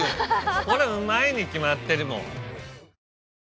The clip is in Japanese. これうまいに決まってるもん。